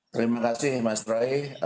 terima kasih mas roy